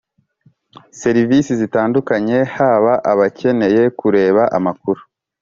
serivisi zitandukanye haba abakeneye kureba amakuru